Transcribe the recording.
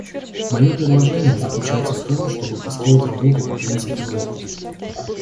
Мое предложение заключается в том, чтобы построить работу по принципу блоков.